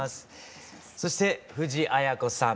そして藤あや子さん。